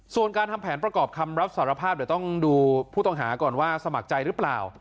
ส่วนการทำแผนประกอบคำรับสารภาพเดี๋ยวต้องดูผู้ต้องหาก่อนว่าสมัครใจหรือเปล่า